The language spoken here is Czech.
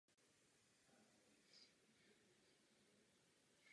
Je rytířem Řádu čestné legie za zásluhy v oblasti umění a literatury.